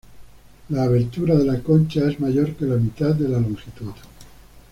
La abertura de la concha es mayor que la mitad de la longitud.